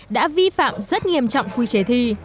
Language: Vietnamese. đã vi phạm rất nghiêm trọng quy chế thi